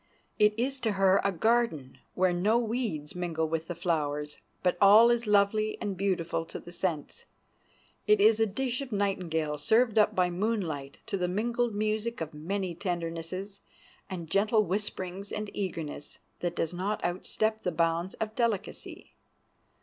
It is to her a garden where no weeds mingle with the flowers, but all is lovely and beautiful to the sense. It is a dish of nightingales served up by moonlight to the mingled music of many tendernesses and gentle whisperings and eagerness, that does not outstep the bounds of delicacy.